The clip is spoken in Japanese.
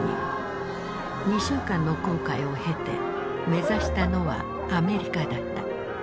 ２週間の航海を経て目指したのはアメリカだった。